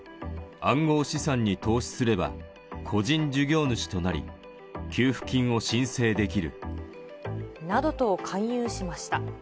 暗号資産に投資すれば、個人事業主となり、給付金を申請できる。などと勧誘しました。